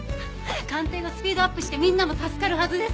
鑑定がスピードアップしてみんなも助かるはずです。